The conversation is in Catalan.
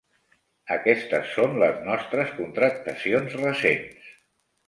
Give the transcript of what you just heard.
Aquestes són les nostres contractacions recents.